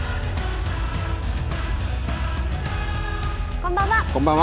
こんばんは。